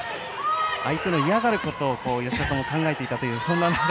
相手の嫌がることを吉田さんは考えていたという。